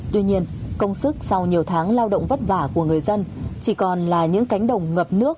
tuy nhiên công sức sau nhiều tháng lao động vất vả của người dân chỉ còn là những cánh đồng ngập nước